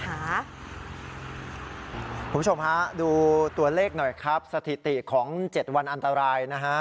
คุณผู้ชมฮะดูตัวเลขหน่อยครับสถิติของ๗วันอันตรายนะฮะ